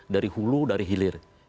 dari hulu dari hilir